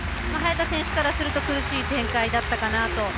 早田選手からすると苦しい展開だったかなと。